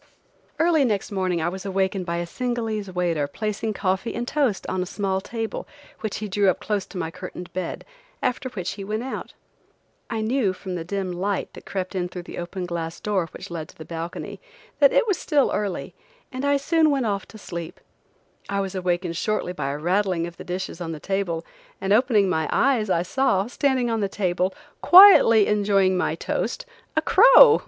Early next morning I was awakened by a Singalese waiter placing coffee and toast on a small table which he drew up close to my curtained bed, after which he went out. I knew from the dim light that crept in through the open glass door which led to the balcony, that it was still early, and I soon went off to sleep. I was awakened shortly by a rattling of the dishes on the table, and opening my eyes I saw, standing on the table, quietly enjoying my toast, a crow!